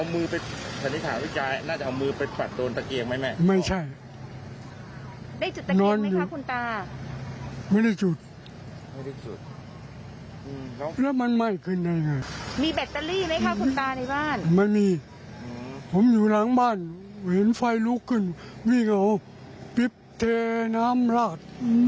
มันเห็นไฟลุกขึ้นวิ่งออกปิ๊บเทน้ำราด